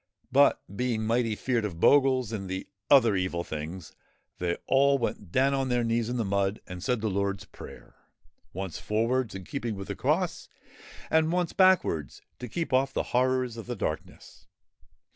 But, being mighty feared of Bogles and the other Evil Things, they all went down on their knees in the mud and said the Lord's Prayer, once forwards, in keeping with the cross, and once backwards to keep off the Horrors of the Darkness.